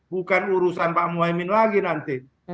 bukan urusan pak muhaymin lagi nanti